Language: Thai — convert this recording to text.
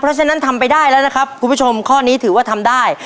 เพราะฉะนั้นทำไปได้แล้วนะครับคุณผู้ชมข้อนี้ถือว่าทำได้